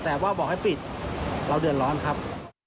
แต่ว่าบอกให้ปิดเราเดือดร้อนครับ